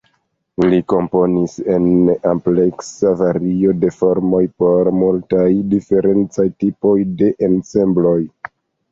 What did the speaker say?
Li komponis en ampleksa vario de formoj por multaj diferencaj tipoj de ensembloj.